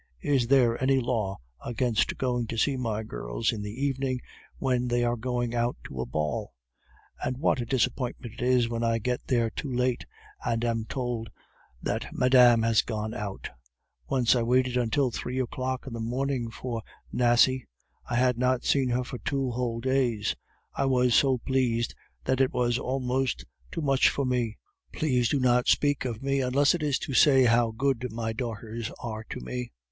Is there any law against going to see my girls in the evening when they are going out to a ball? And what a disappointment it is when I get there too late, and am told that 'Madame has gone out!' Once I waited till three o'clock in the morning for Nasie; I had not seen her for two whole days. I was so pleased, that it was almost too much for me! Please do not speak of me unless it is to say how good my daughters are to me.